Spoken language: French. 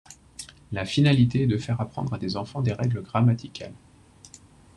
La finalité est de faire apprendre à l'enfant des règles grammaticales.